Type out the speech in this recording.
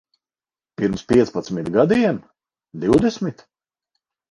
Pirms piecpadsmit gadiem? Divdesmit?